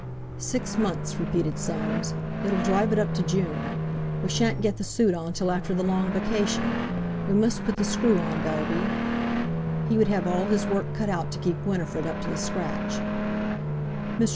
"Six months!" repeated Soames; "it'll drive it up to June! We shan't get the suit on till after the long vacation. We must put the screw on, Bellby"—he would have all his work cut out to keep Winifred up to the scratch. "Mr.